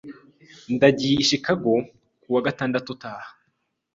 Ndagiye i Chicago kuwa gatandatu utaha.